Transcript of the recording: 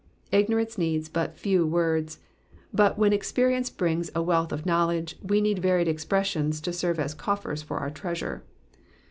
Ignorance needs but few words, but when experience brings a wealth of knowledge, we need varied expressions to serve as coffers for our treasure.